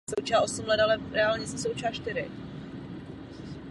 Leží na pravém břehu Labe.